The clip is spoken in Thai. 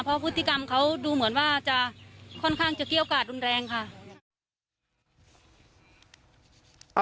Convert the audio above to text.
เพราะพฤติกรรมเขาดูเหมือนว่าจะค่อนข้างจะเกี้ยวกาดรุนแรงค่ะ